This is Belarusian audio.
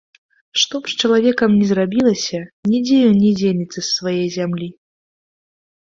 Што б з чалавекам ні зрабілася, нідзе ён не дзенецца з свае зямлі.